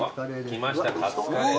来ましたカツカレー。